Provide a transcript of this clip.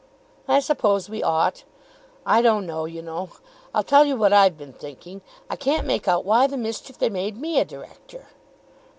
"I suppose we ought. I don't know, you know. I'll tell you what I've been thinking. I can't make out why the mischief they made me a Director."